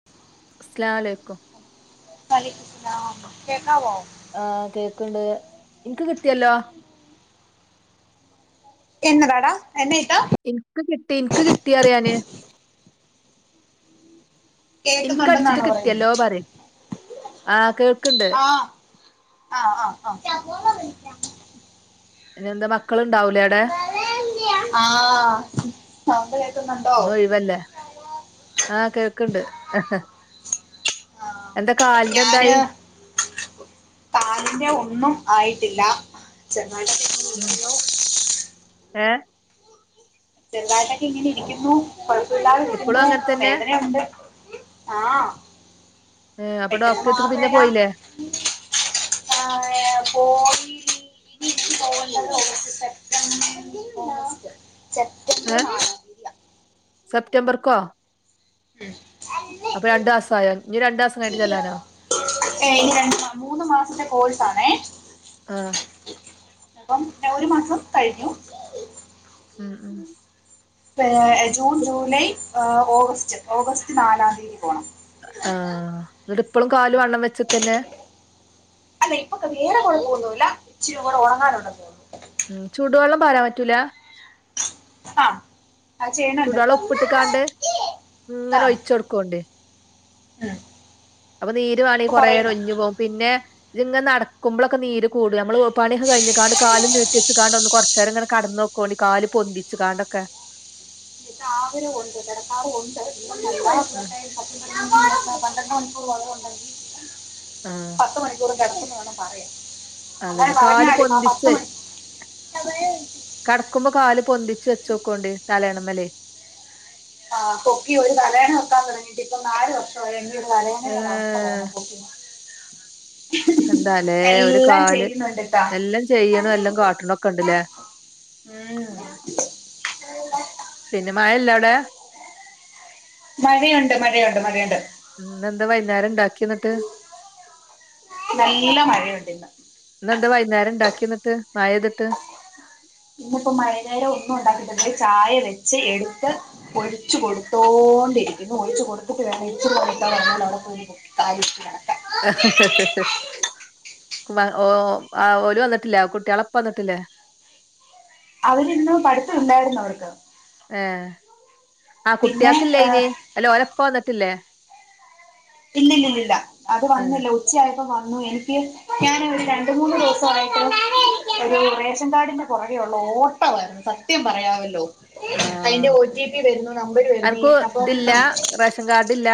[inaudible] ആലൈകും [inaudible] വ അലയ്ക്കുസ്സലാം. കേക്കാവോ? ആ. കേക്ക്ണ്ട്. ഇൻക്ക് കിട്ടിയല്ലോ. എന്നതാടാ? എന്നെ ഇട്ടോ? ഇൻക്ക് കിട്ടി ഇൻക്ക് കിട്ടി അറിയാന്. ഇൻക്കടിച്ചിട്ട് കേക്കുന്നുണ്ടെന്നാണോ കിട്ടിയല്ലോ പറയുന്നത് പറെയ്. ആഹ് കേൾക്ണ്ട്. ആ ആഹ ആഹ് ആ [inaudible] ഇനെന്താ മക്കള്ണ്ടാവൂലേ അവ ടെ? [inaudible] ആഹ് അ [unintelligible] കേക്കുന്നുണ്ട്. ന്ന് ഒഴിവല്ലേ? ആഹ കേൾക്ക്ണ്ട്. ഹ ഹാ എന്താ കാലിന്റെ എന്തായി? പാലിന്റെ ഒന്നും ആയിട്ടില്ല. ചങ്ങായി - [unintelligible] ഏ ചെറുതായിട്ടൊക്കെ ങ്ങനെ ഇരിക്കുന്നു കുഴപ്പമില്ലാതെ ഇപ്പളും ഇരിക്കുന്നു അങ്ങനെ തന്നെ വേദനയുണ്ട്. ആഹ്. ഏഹ് അപ്പൊ പെട്ടെന്ന് ഡോക്ടറെട്ത്ത്ക്ക് മാറി പിന്നെ വരാ പോയില്ലേ [unintelligible] പോ [unintelligible] സെപ്റ്റംബ സെപ്റ്റംബർ മാസം. സെപ്റ്റംബർകോ. ഉം അല്ല അപ്പൊ രണ്ടാസായൊ. ഇഞ്ഞ് രണ്ടാസം കഴിഞ്ഞിട്ട് ചെല്ലാനൊ? ഏയ് മൂന്ന് മാസത്തെ കോഴ്സാണെ. ആഹ്. അപ്പം ഒരു മാസം കഴിഞ്ഞു. ഉം ഉം. ഏ ജൂൺ ജൂലൈ ഓഗസ്റ്റ് ഓഗസ്റ്റ് നാലാം തീയതി പോണം. ആഹ് എന്നിട്ട് ഇപ്പോളും കാല് വണ്ണം വെച്ചിക്കന്നെ അല്ല ഇപ്പൊക്കെ വേറെ കുഴപ്പമൊന്നുമില്ല ഇച്ചരിം കൂടെ ഉണങ്ങാനുണ്ടെന്ന് തോന്നുന്നു ഉം ചൂടുവെള്ളം പരാൻ പറ്റൂലാ ആഹ് അത് ചെയ്യണണ്ട് ചൂടുവെള്ളം ആഹ് ചൊടുക്കുണ്ടേ ആഹ് അപ്പൊ നീര് വാണെങ്കിൽ കുറെ ഒലിഞ്ഞ് പോകും പിന്നെ ഇതിങ്ങനെ നടക്കുമ്പോളൊക്കെ നീര് കൂടും നമ്മള് പണിയൊക്കെ കഴിഞ്ഞ് കാണ്ട് കാല് നീട്ടെച്ച് കാണ്ട് ഒന്ന് കൊറച്ച്നേരം ഇങ്ങനെ കടന്നോക്കുവോണ്ടി കാല് പൊന്തിച്ച് കാണ്ടൊക്കെ [unintelligible] [unintelligible] പന്ത്രണ്ട് മണിക്കൂർ വരെ ഉണ്ടെങ്കിൽ ആഹ് പത്ത് മണിക്കൂർ വേണം പറയാൻ അങ്ങനെ അതന്നെ കാല് പറഞ്ഞാല് ആ പത്ത് പൊന്തിച്ച് മണി കടക്കുമ്പോ കാല് പൊന്തിച്ച് വെച്ച് നോക്കോണ്ട് തലയണമേല് ആഹ് പൊക്കി ഒരു തലയണ വെക്കാൻ തുടങ്ങിട്ട് ഇപ്പൊ നാല് വർഷ എനിക്കൊന്ന് അനങ്ങണമെങ്കിൽ ഒരു അവസ്ഥ ഏഹ് വേണം പൊക്കി നോ എന്താലേ ഒരു എല്ലാം കാല് ചെയ്യുന്നുണ്ട് ഇത്താ എല്ലാം ചെയ്യണം എല്ലാം കാട്ടണോക്കെ ഉണ്ട്ല്ലേ ഉം പിന്നെ മഴയില്ലോ അവിടെ മഴയുണ്ട് മഴയുണ്ട് മഴയുണ്ട് ഇന്നെന്താ വൈന്നേരം ണ്ടാക്ക്യന്നട്ട്. നല്ല മഴയുണ്ട് ഇന്ന്. ഇന്നെന്താ വൈന്നാര ണ്ടാക്കിയെന്നട്ട് മഴെയ്ത്ട്ട്. ഇന്ന്പ്പോ മൈന്നേരം ഒന്നുണ്ടാക്കിട്ടില ചായ വെച്ച് എടുത്ത്. ഒഴിച്ചു കൊടുത്തോണ്ടിരിക്കുന്നു ഒഴിച്ച് കൊടുത്തിട്ട് വേണം ഇച്ചി [unintelligible] താലി [unintelligible] മാ ഓഹ് ആ ഓല് വന്നിട്ടില്ല കുട്ട്യള പ്പ വന്ന്ട്ടില്ല. അവരിന്ന് പഠിത്തുണ്ടായിരുന്നോ അവർക്ക്. ഏഹ് ആ പിന്നെ കുട്ട്യാകില്ലയ്ന് അല്ല ഓലപ്പ വന്നിട്ടില്ലേ? ഇല്ലില്ലില്ലില്ല അത് വന്നില്ല ഉ ച്ചയായപ്പോ വന്നു എനിക്ക് ഞാന് ഒരു രണ്ട് മൂന്ന് ദിവസമായിട്ട് ഒരു റേഷൻ കാഡിന്റെ- പൊറകെയുള്ള ഓട്ട വായിരുന്നു സത്യം പറയാവല്ലോ. അയ്ന്റെ ആഹ് ഓ ടി പി വരുന്നു നമ്പർ വരുന്നു ഈ അനക്ക് അപ്പം ഇതില്ല നമ റേഷൻ കാർഡ് ഇല്ല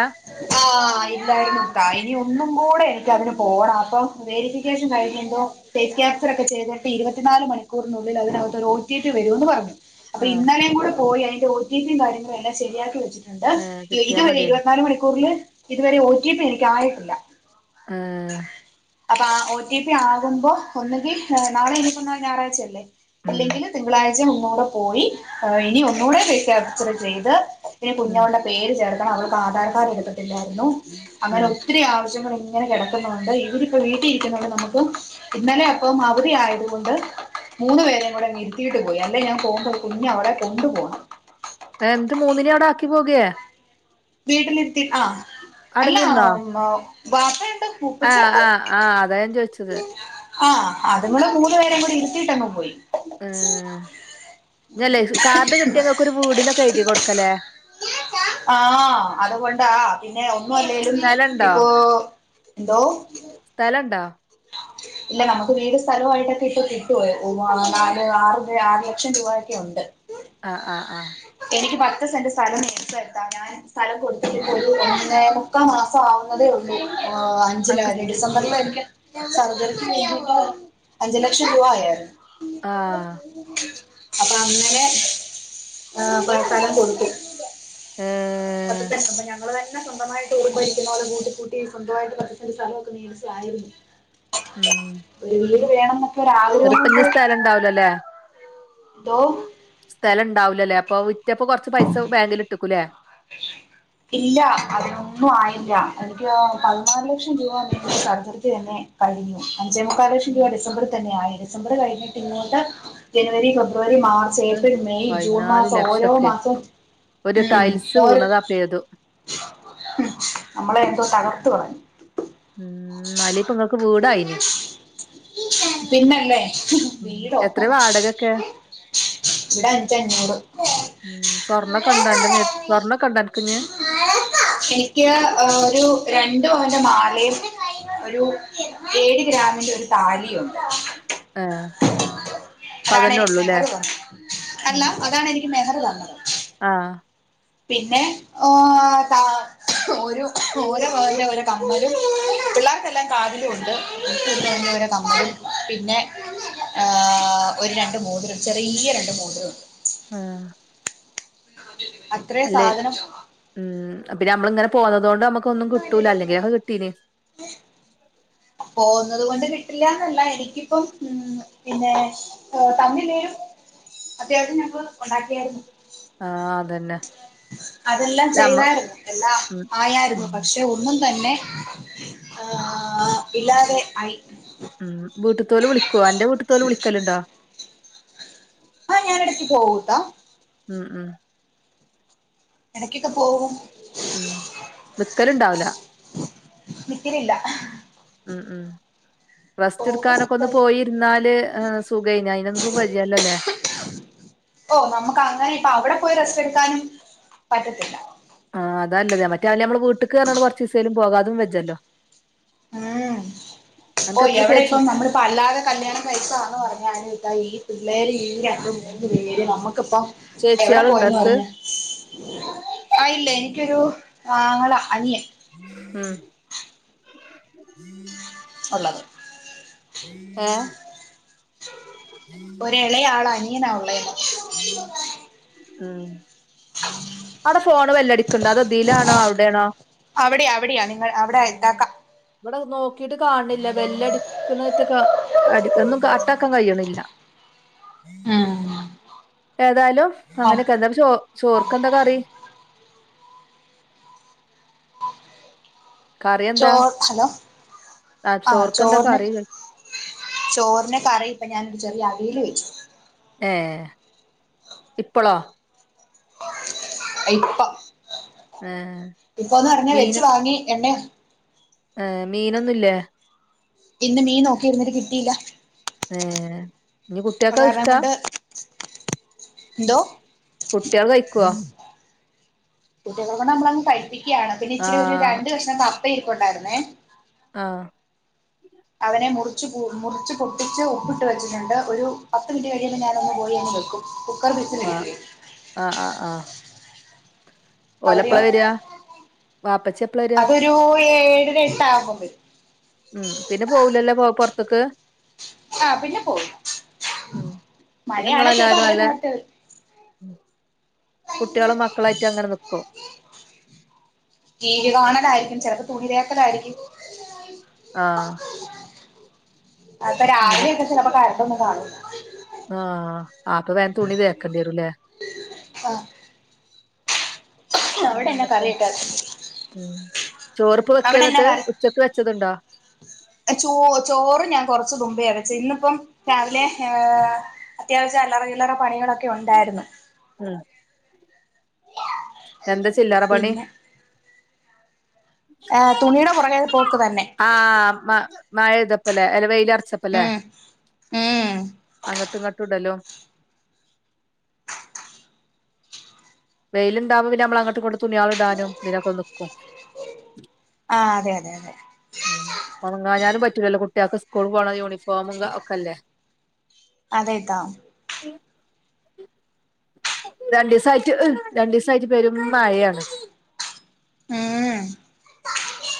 ആഹ്. ഇല്ലായിരുന്നു കാര്യം ഒന്നും കൂടെ എനിക്കതിന് പോണ അപ്പം വേരിഫിക്കേഷൻ കഴിഞ്ഞ് എന്തോ. പേ ക്യാസറൊക്കെ ചെയ്തിട്ട് ഇരുപത്തിനാല് മണിക്കൂറിനുള്ളിൽ അതിനകത്തൊരു ഒ ടി പി വരൂന്ന് പറഞ്ഞു. അപ്പ ആഹ് ഇന്നലെം കൂടെ പോയി അയിന്റെ ഒ ടി പിം കാര്യങ്ങളും എല്ലാം ശരിയാക്കി വെച്ചിട്ടു ണ്ട് ഏഹ് കിട്ടിയാ ഇതുവരെ മതിയേനി ഇരുപത്നാല് മണിക്കൂറില് ഇതുവരെ ഓ റ്റി പ്പി എനിക്കായിട്ടില്ല. ആഹ്. അപ്പാ ഓ ടി പി ആകുമ്പോ ഒന്നെങ്കി എ നാളെ ഇനിപ്പോ ന്ന് ഞായറാഴ്ചല്ലേ. ഉം ഇല്ലെങ്കില് തിങ്കളാഴ്ചിം ഒന്നൂടെ പോയി അ ഇനി ഒന്നുടെ റീ ക്യാപ്ചർ ചെയ്ത്. പിന്നെ ഉം കുഞ്ഞോൾടെ പേര് ചേർക്കണം അവൾക്ക് ആധാർ കാർഡ് എടുത്തിട്ടില്ലായിരുന്നു ഉം അങ്ങനൊ ത്തിരി ആവശ്യങ്ങൾ ങ്ങനെ കെടക്കുന്നുണ്ട് ഇവരിപ്പോ വീട്ടി ഇരിക്കുന്നോണ്ട് നമക്ക്. ഇന്നലെ അപ്പം അവധി ആയത് കൊണ്ട് മൂന്ന് പേരെയും കൂടെ നിരുത്തിട്ട് പോയി അല്ലേ ഞാ പോവുമ്പോ- കുഞ്ഞവളെ കൊണ്ടു പോണം. എ ന്നട്ട് മൂന്നിനെ അവിടെ ആക്കി പോകെ. വീട്ടിലിര്ത്തി ആ അല്ല അടങ്ങിന്നോ വാപ്പയുണ്ട് ആഹ് ഉപ്പച്ചിയുണ്ട്. ആഹ് ആഹ് അതാ ഞാ ചോയ്ച്ചത്. ആഹ് അത്ങ്ങൾ മൂന്നു പേരേം കൂടി ഇരുത്തീട്ടങ്ങ് പോയി. ഉം. തല്ലേ സ് കാർഡ് കിട്ട്യ ങ്ങക്കൊരു വീട്നൊക്കെ എയ്തി കൊടുക്കല്ലേ. ആഹ് അതുകൊണ്ടാ പിന്നെ ഒന്നും അല്ലേലും സ്ഥലണ്ടോ ഇപ്പോ എന്തോ സ്ഥലംണ്ടാ ഇല്ല നമുക്ക് വീടും സ്ഥലായിട്ടൊക്കെ ഇപ്പൊ കിട്ടുവേ നാല് ആറ് ആറ് ലക്ഷം രൂപായൊക്കെ ഉണ്ട്. ആഹ് ആഹ് ആഹ് എനിക്ക് പത്ത് സെന്റ് സ്ഥലം മേടിതന്നാതാണ് ഞാൻ സ്ഥലം കൊടുത്തിട്ട്പ്പൊ ഒരു ഒന്നേ മുക്കാ മാസം ആവുന്നതേ ഉള്ളൂ. ഓ അഞ്ച ലാ അനക്ക് രി ഡിസംബറിൽ എനിക്ക് സർജറി വേണ്ടി ട്ട് അഞ്ച ലക്ഷം രൂപ ആഴായിരുന്നു. ആഹ് അപ്പൊ അങ്ങനെ ആഹ് പഴത്തനം കൊടുക്കും ഏഹ് അതൊക്കെ ഞങ്ങള് തന്നെ സ്വന്തമായിട്ട് ഉറുബരിപോലെ കൂട്ടികൂ ട്ടി സ്വന്തമായിട്ട് പത്ത്സെന്റ് സ്ഥലമൊക്കെ മേടിച്ചായിരുന്നു. ഉം ഒരു വീട് വേണം എന്നൊക്കെ ഒര് ആഗ്രഹം കൊണ്ട് സ്ഥലം ഉണ്ടാവൂലല്ലേ തോ സ്ഥലംഇണ്ടാവൂലല്ലേ അപ്പൊ വിറ്റപ്പോ കുറച്ച് പൈസ ബാങ്കിൽട്ടക്കൂല്ലേ ഇല്ല അതിനൊന്നും ആയില്ല എനിക്ക് പതിനാല് ലക്ഷം രൂപ [unintelligible] സർജറിക്ക് തന്നെ കഴിഞ്ഞു അഞ്ചേ മുക്കാൽ ലക്ഷം രൂപ ഡിസംബറി തന്നെയായി ഡിസംബർ കഴിഞ്ഞിട്ട് ഇങ്ങോട്ട് ജനുവരി ഫെബ്രുവരി മാർ അഹ് ചേപ്രിൽ മെയ് ജൂൺ പതിനാല് മാസം ഓരോ മാസംഉം ത് വീണത പ്പ ഏതു ഹ് നമ്മളെ എന്തോ തകർതുവാ ഉം നാൽ ഇപ്പം നിങ്ങക്ക് വീടായിന് പിന്നല്ലേ ഉം വീടോ എത്ര വാടകൊക്കെ ഇവിടെ അഞ്ച് അഞ്ഞൂറ് ഉം സ്വർണ്ണ കണ്ട അന്റെ മേ സ്വർണ്ണ കണ്ട അൻക് ഞ് എനിക്ക് ഒരു രണ്ട് പവന്റെ മാലയും ഒരു ഏഴ് ഗ്രാമിന്റെ ഒരു താലിയുണ്ട്. ഏഹ് ഇപ്പ അതന്നെ അതാണെനിക് ഉള്ളൂല്ലേ മെഹർ തന്നത് അല്ല ഉം അതാണ് എനിക്ക് മെഹർ തന്നത് ആഹ് പിന്നെ ഓ താ ഒരു ഓരോപവന്റെ ഓരോ കമ്മലും പിള്ളേർക്കെല്ലാം കതിലും ഉണ്ട് പിന്നെ ആഹ് ഒരു രണ്ട് മൂതിരം ചെറിയ രണ്ട് മൂതിര ണ്ട് ആഹ് അത്രയും അല്ലേ സാധനം ഉം പിന്ന നമ്മളിങ്ങനെ പോന്നതോണ്ട് നമ്മുക്ക് ഒന്നും കിട്ടൂല അല്ലെങ്കിൽ ഒക്കെ കിട്ടീനി [inaudible] പോവുന്നത് കൊണ്ട് കിട്ടില്ലാന്നല്ല എനിക്കിപ്പം ഉം പിന്നെ ഹെ തന്നിലേലും അത്യാവശ്യം ഞങ്ങൾ ഉണ്ടാക്കിയായിരുന്നു ആഹ് അതന്നെ. അതെല്ലാം നമ്മ ചെയ്താർന്നു എല്ലാം ഉം ആയാർന്നു ഉം പക്ഷെ ഒന്നും തന്നെ. ആഹ് ഇല്ലാതെ ആയി. ഉം വീട്ടുത്തോല് വിളിക്കോ അന്റെ വീട്ടത്തോല് വിളിക്കലുണ്ടോ ആഹ് ഞാനടയ്ക്ക് പോവൂട്ടോ ഉം ഉം എടക്കൊക്കെ പോവും. ഉം വിക്കലുണ്ടാവൂല നിക്കലില്ല ഉം ഉം റസ്റ്റ് പോകും എടുക്കാനൊക്കെ ഒന്ന് വരും പോയിരുന്നാല് ഹ് സുഖയിനി അയിനൊന്നും വജ്ജല്ലോലെ ഓഹ് മുക്ക് അങ്ങനെ ഇപ്പ അവിടെ പോയി റസ്റ്റ് എടുക്കാനും പറ്റത്തില്ല. ആഹ് അദാല്ലത് മറ്റേ അല നമ്മൾ വീട്ട്ക്ക് അർഞാണ്ട് ക്കൊറച്ച് സേലും പോകാതും വെജല്ലോ ഉം ഓ അനക്ക് എത്ര ചേച്ചി എവിടെപ്പം നമ്മള്. പല്ലാതെ കല്യാണം കൈച്ചാണോ അർഞ്ഞാല് ദാ ഈ പിള്ളേരീ. യ്യാ ആഹ് നമ്മക്കിപ്പം എവിടെ ചേച്ചിയാളുണ്ടോ പോയീന്ന് അനക്ക് പറഞ്ഞാ. ആയില്ലേ ഇൻക്കൊരു ആങ്ങള അനിയൻ. ഉം. [inaudible] ഒള്ളത് ഏഹ്. ഒരെളെയാളാ അനിയനാ ഉള്ളേന്ന്. ഉം. അടെ ഫോണ് വെല്ലടിക്കുണ്ടോ അതോ തീ ലാണോ ഔടെണോ. അവിടെയാ അവിടെയാ നിങ്ങൾ അവിടെ എത്താക്കാ. വടെ നോക്കിട്ട് കാണില്ല ബെല്ലടിക്കണേറ്റ കാ- അടിക്കന്നും കാട്ടാക്കാ കഴിയ്ണില്ല. ഉം. ഏതാലും അങ്ങനെക്കെ ന്നട്ട് ചോർ ചോർക്കെ ന്താ കറി. കറി എന്താ ചോർ ഹലോ ആഹ് ആഹ ചോർക്കെന്താ ചോറ് ന്. കറി ചോറിന് കറി ഇപ്പ ഞാനൊരു ചെറിയ അവിയിൽ വെച്ചു ഏ ഇപ്പൊളോ ഇപ്പം ഏഹ് ഇപ്പൊന്ന് പറഞ്ഞാ വെച്ച് വാങ്ങി എണ്ണെ ഏ മീനൊന്നുല്ലേ ഇന്ന് മീൻ നോക്കിയിരുന്ന്‌ കിട്ടിയില്ല ഏ ഇനി കുട്ടേക്കൊക്കെ ഇഷ്ടാ എന്തൊ കുട്ടികള് കഴിക്കുവോ കുട്ടികളെ കൊണ്ട് നമ്മളങ് കഴി പ്പിക്കുകയാണ് പിന്നെ ഇച്ചിരി ഒരു ആഹ് രണ്ടു കഷ്ണം കപ്പയിരിക്കൊണ്ടായിരുന്നേ ആ അവനെ മുറിച്ച് മുറിച്ച് പൊട്ടിച്ച് ഉപ്പിട്ട് വച്ചിട്ടുണ്ട് ഒരു പത്ത് മിനിറ്റ് കഴിയുമ്പോ ഞാൻ ഒന്ന് പോയി ന്ന് വെക്കും കുക്കർ വിസ് അ ആ ആഹ ആ ഓലപ്പളാ അവിടെയോ വര്യാ വാപ്പച്ചിപ്പളാ വരാ [unintelligible] ഏഴരാ ഏട്ടാവുമ്പോഴ് ഉം പിന്നെ പോവൂലല്ലോ പൊറത്ത്ക്ക് ആ പിന്നെ പോവില്ല ഉം പിന്നെ മഴയാനെച്ച ചിലപ്പോ നിങ്ങളെല്ലാരും അവിടെ നല്ല നേരത്തെ വരും കുട്ടികളും മക്കളായിട്ടും അങ്ങനെ നിക്കും ടി വി കാണലായിരിക്കും ചിലപ്പോ തുണിതേക്കലായിരിക്കും ആ അപ്പൊ രാവിലെയൊക്കെ ചിലപ്പോ കരണ്ടൊന്നും കാണൂല ആ ആപ്പൊ വേഗം തുണി തേക്കണ്ടെരും ലെ ആ അവിടെ പിന്നെ എന്നാ എന്തൊക്കെ കറിയൊക്കെ ഉം ചോറുപ്പ വെക്കേ അവിടെ എന്നാ എന്നിട്ട് കറി ഉച്ചക്ക് വെച്ചതുണ്ടോ ചോ ചോറ് ഞാൻ കുറച്ച്തുമ്പയാ വെച്ച ഇന്നിപ്പം രാവിലെ ഏ അത്യാവശ്യം അല്ലറ ചില്ല റ പണികളൊക്കെ ഉണ്ടായിരുന്നു ഉം എന്താ ചില്ലറ പണി പിന്നെ തുണിയുടെ പുറകേ പോക്ക് തന്നെ ആ മ മഴയതപ്പല്ലേ അല്ല വെയിലർച്ചപ്പല്ലേ ഉം ഉം അങ്ങട്ട് ഇങ്ങട്ട്ടലും വെയിലുണ്ടാവുമ്പോ പിന്നെ നമ്മൾ അങ്ങട്ട് ഇങ്ങട്ട് തുണേള് ഇടാനും തിനൊക്കെ നിക്കും ആ അതെ അതെ അതെ ഉ അങ്ങ ഞാനും പറ്റൂലല്ലോ കുട്ടികൾക്ക് സ്കൂൾ പോകണ യൂണിഫോമും ഒക്കെല്ലേ അതെതാ രണ്ടണ്ട് ദിവസം ആയിട്ട് രണ്ടു ദിവസം ആയിട്ട് പേരും മഴയാണ് ഉം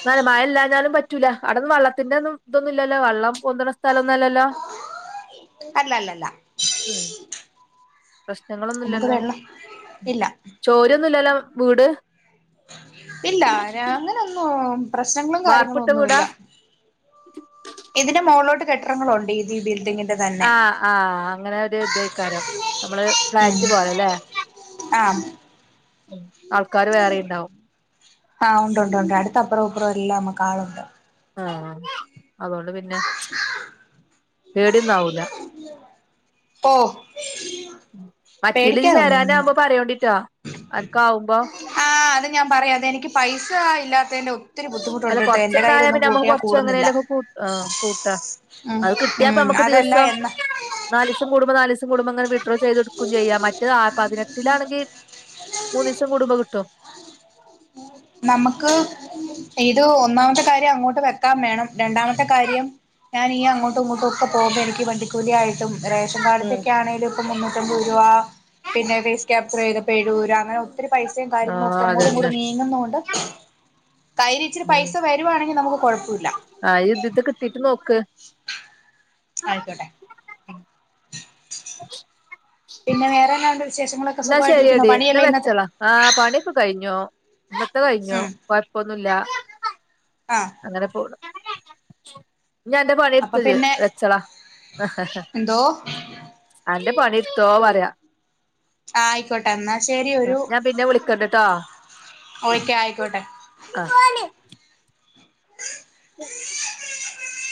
നാലെ മഴല്ലാഞ്ഞാലും പറ്റൂല്ല അടന്നന്ന് വള്ളത്തിന്റെ ഒന്നും ഇതൊന്നുംല്ലല്ലോ വള്ളം പൊന്തണ സ്ഥലംന്നല്ലല്ലോ [inaudible] അല്ല അല്ലല്ല ആം നമുക്ക് പ്രശ്നങ്ങളൊന്നുമല്ലല്ലോ വെള്ളം ഇല്ല ചോരൊന്നുമല്ലല്ലോ വീട് ഇല്ല അങ്ങനെൊന്നും പ്രശ്നങ്ങളും കാര്യങ്ങളും വാർപ്പിട്ട വീടാ ഒന്നുമല്ല ഇതിന്റെ മുകളോട്ട് കെട്ടടങ്ങളണ്ട് ഇഈ ബിൽഡിന് ആഹ ആഹ അങ്ങനെ ഒരു ഇതക്കാരം നമ്മള് ഉം ഫ്ലാറ്റ്പോലല്ലേ ആഹ് ആഹ് ഉണ്ട് ഉണ്ട് ഉണ്ട് അടുത്ത അപ്പറം അപ്പറം എല്ലാമകാളുണ്ട് ആഹ അതുകൊണ്ട് പിന്നെ പേടന്നാവൂല ഓ മറ്റേല്ല ഇത് ചരാനാവുമ്പോ പറയോണ്ടിട്ട ആഹ അത് ഞാൻ പറയാം അതെനിക്ക് പൈസ ഇല്ലാത്തന്റെ അല്ല കൊറച്ചുണ്ടായ പിന്നെ നമ്മുക്ക് കൊറച്ച കൂടുന്നില്ല എങ്ങനെലും ഒക്കെ ക കൂട്ടാ ഉം അത് കിട്ടിയപ്പ ഉം നമുക്ക് അതല്ല ദിവസം എന്നാ നാലിിവസം കൂടുമ്പോ നാല ദിവസം കൂടുമ്പോ അങ്ങന വീ. [unintelligible] എത്ര ചെയ്ത കൊടുക്കും ചെയ്യാം മറ്റ് പതിനെട്ടിലാണെങ്കിൽ മൂന്ന് ദിവസം കൂടുംബ കിട്ടും. നമുക്ക് ഇത് ഒന്നാമത്തെ കാര്യം അങ്ങോട്ട് വെക്കാൻ വേണം രണ്ടാമത്തെ കാര്യം. ഞാൻ ഈ അങ്ങോട്ടും ഇങ്ങോട്ടും ഒക്കെ പോക്പോ എനിക്ക് വണ്ടിക്കൂലിയയിട്ടും റേഷൻ ഉം കാർഡ്ക്ക ആണെേലും. മുന്നൂറ്റമ്പത് രൂപ പിന്നെ ഫേസ് ക്യാപ്ർ ചെയ്തപ്പോ എഴപത് രൂപ അങ്ങനെ. ത്തിരി പൈസയും കാര്യങ്ങള ഒക്കെ ആഹ് അങ്ങോട്ടും ഇങ്ങൂട്ട അതന്നെ നീങ്ങുന്നണ്ട് കൈ ഇച്ചിരി പൈസ. വരുവാണെങ്കിൽ നമുക്ക് കുഴപ്പമില്ല. ആ യുദ് ഇത് കിട്ടീട്ട് നോക്ക്. ആയിക്കോട്ടെ. [inaudible] പിന്നെ വേറെന്താണ്ട് വിശേഷങ്ങളക്ക സുഖമായിട്ടിരിക്കുന്ന പണിയല്ലേ ഇന്നത്തെ. ആഹ പണിയൊക്കെ കഴിഞ്ഞോ ഇത്ത കഴിഞ്ഞോ ഉം കൊഴപ്പൊന്നുമില്ല. ആഹ് അങ്ങനെ പോടും. ഞാ എൻന്റെ അപ്പൊ പണിെടുത്തത് പിന്നെ വെച്ചളാ. എന്തോ അന്റെ പണിത്തോ പറയാ. ആ ആയിക്കോട്ടെ എന്നാൽ ശരി ഒരു ഞാൻ പിന്നെ വിളിക്കണ്ട്ട്ടോ ഓക്കെ ആയിക്കോട്ടെ. ആ അ. ഉ